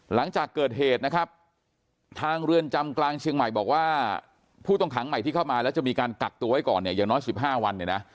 หลังจากเกิดเหตุนะครับทางเรือนจำกลางเชียงใหม่บอกว่าผู้ต้องขังใหม่ที่เข้ามาแล้วจะมีการกักตัวไว้ก่อนเนี่ยอย่างน้อย๑๕วันเนี่ยนะ